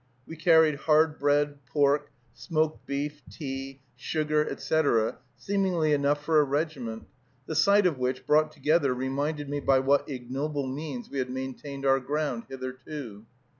We carried hard bread, pork, smoked beef, tea, sugar, etc., seemingly enough for a regiment; the sight of which brought together reminded me by what ignoble means we had maintained our ground hitherto.